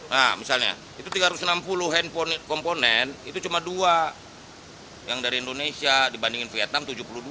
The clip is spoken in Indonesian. nah misalnya itu tiga ratus enam puluh handphone komponen itu cuma dua yang dari indonesia dibandingin vietnam tujuh puluh dua